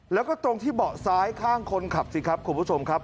แล้วก็ตรงที่เบาะซ้ายข้างคนขับสิครับคุณผู้ชมครับ